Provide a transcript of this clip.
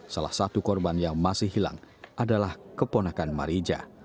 salah satu korban yang masih hilang adalah keponakan marija